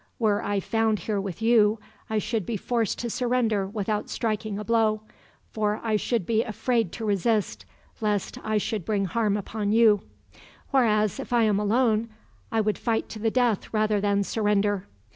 Were I found here with you, I should be forced to surrender without striking a blow; for I should be afraid to resist, lest I should bring harm upon you; whereas, if I am alone, I would fight to the death rather than surrender.